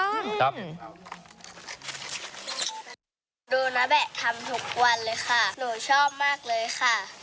ดูนะแบะทำทุกวันเลยค่ะหนูชอบมากเลยค่ะ